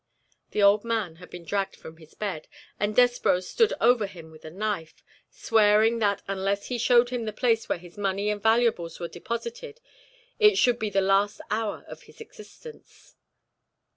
The old man had been dragged from his bed, and Despreau stood over him with a knife, swearing that unless he showed him the place where his money and valuables were deposited, it should be the last hour of his existence.